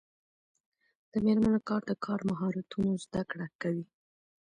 د میرمنو کار د کار مهارتونو زدکړه کوي.